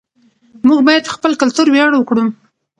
موږ باید په خپل کلتور ویاړ وکړو.